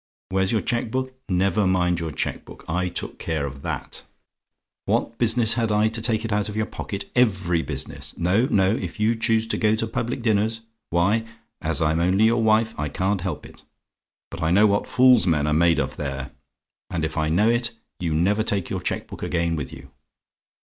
"WHERE'S YOUR CHEQUE BOOK? "Never mind your cheque book. I took care of that. "WHAT BUSINESS HAD I TO TAKE IT OUT OF YOUR POCKET? "Every business. No, no. If you choose to go to public dinners, why as I'm only your wife I can't help it. But I know what fools men are made of there; and if I know it, you never take your cheque book again with you.